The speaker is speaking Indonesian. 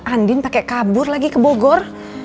andin pakai kabur lagi ke bogor